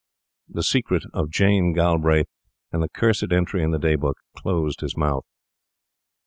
The secret of Jane Galbraith and the cursed entry in the day book closed his mouth.